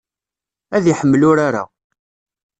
Ad iḥemmel urar-a.